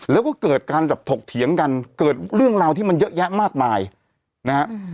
แล้วก็เกิดการแบบถกเถียงกันเกิดเรื่องราวที่มันเยอะแยะมากมายนะฮะ